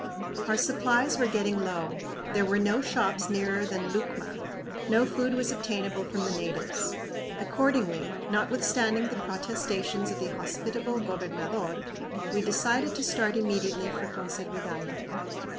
Our supplies were getting low. There were no shops nearer than Lucma; no food was obtainable from the natives. Accordingly, notwithstanding the protestations of the hospitable gobernador, we decided to start immediately for Conservidayoc.